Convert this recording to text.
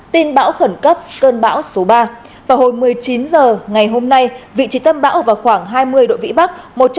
tin bão khẩn cấp cơn bão số ba vào hồi một mươi chín h ngày hôm nay vị trí tâm bão vào khoảng hai mươi độ vĩ bắc